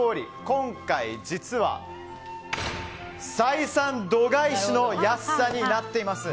今回、実は採算度外視の安さになっています。